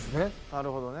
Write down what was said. なるほどね。